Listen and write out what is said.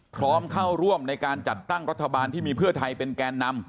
พร้อมเข้าร่วมในการจัดตั้งรัฐบาลที่มีเพื่อไทยเป็นแกนนำ